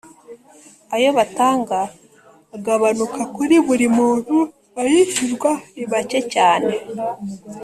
ayo batanga agabanuka kuri buri muntu ayishyurwa ni macye cyane.